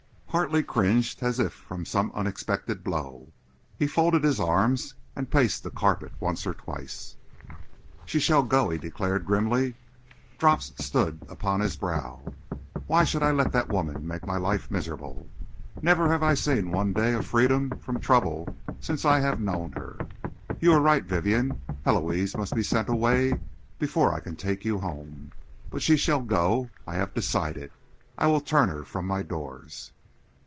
Hartley cringed as if from an unexpected blow. He folded his arms and paced the carpet once or twice. "She shall go," he declared grimly. Drops stood upon his brow. "Why should I let that woman make my life miserable? Never have I seen one day of freedom from trouble since I have known her. You are right, Vivienne. Héloise must be sent away before I can take you home. But she shall go. I have decided. I will turn her from my doors."